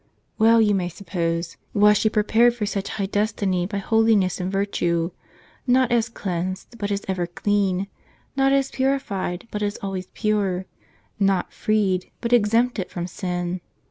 Well, you may suppose, was she prepared for such high destiny by holiness and virtue ; not as cleansed, but as ever clean ; not as purified, but as always pure ; not * Isaias vii. 14. freed, but exempted, from sin.